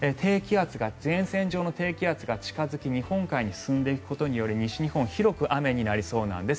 前線上の低気圧が近付き日本海に進んでいくにより西日本広く雨になりそうなんです。